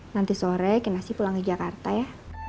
nanti sore ke nasi pulang ke jakarta ya